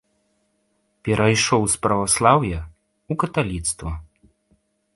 Перайшоў з праваслаўя ў каталіцтва.